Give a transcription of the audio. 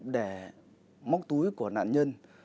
để móc túi của nạn nhân